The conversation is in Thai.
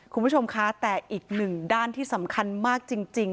คุณผู้ชมคะแต่อีกหนึ่งด้านที่สำคัญมากจริง